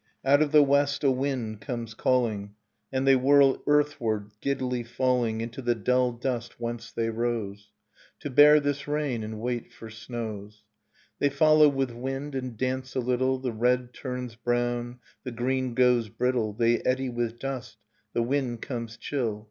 Out of the west a wind comes calling, And they whirl earthward, giddily falling Into the dull dust whence they rose. To bear this rain and wait for snows ... They follow with wind and dance a little, The red turns brown, the green goes brittle. They eddy with dust, the wind comes chill.